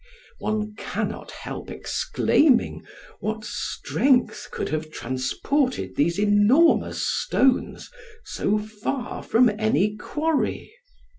One cannot help exclaiming, what strength could have transported these enormous stones so far from any quarry?